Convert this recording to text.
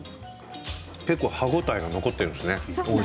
歯応えが残ってるんですね